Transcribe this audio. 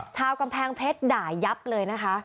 ชาวกำแพงเพชรด่ายับเลยนะคะ